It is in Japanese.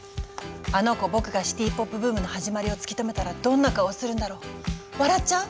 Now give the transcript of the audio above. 「あの娘ぼくがシティポップブームのはじまりを突き止めたらどんな顔するだろう笑っちゃう？